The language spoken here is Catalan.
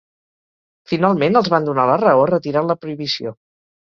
Finalment els van donar la raó retirant la prohibició.